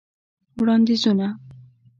وړاندیزونه :